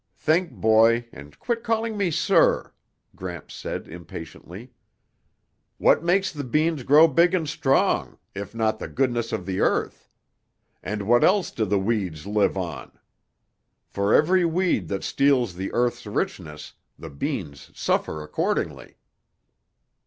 "Think, boy, and quit calling me sir," Gramps said impatiently. "What makes the beans grow big and strong, if not the goodness of the earth? And what else do the weeds live on? For every weed that steals the earth's richness, the beans suffer accordingly."